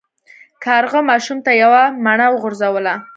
کارغه ماشوم ته یوه مڼه وغورځوله.